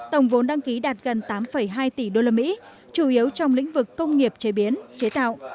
tổng vốn đăng ký đạt gần tám hai tỷ đô la mỹ chủ yếu trong lĩnh vực công nghiệp chế biến chế tạo